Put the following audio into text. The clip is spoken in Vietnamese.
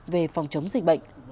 về phòng chống dịch bệnh